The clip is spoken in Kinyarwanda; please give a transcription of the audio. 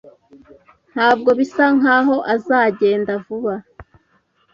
Ntabwo bisa nkaho azagenda vuba.